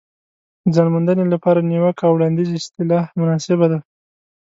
د ځان موندنې لپاره نیوکه او وړاندیز اصطلاح مناسبه ده.